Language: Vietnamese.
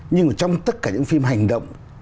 nhưng trong tất cả những phim hành động